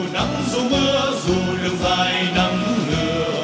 dù nắng dù mưa dù đường dài nắng ngừa